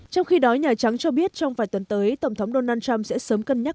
trong khi đó nhà trắng cho biết trong vài tuần tới tổng thống donald trump sẽ sớm cân nhắc